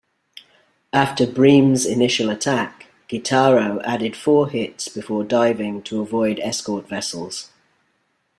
After "Bream"'s initial attack, "Guitarro" added four hits before diving to avoid escort vessels.